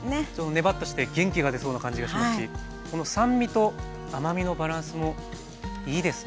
ネバッとして元気が出そうな感じがしますしこの酸味と甘みのバランスもいいですね。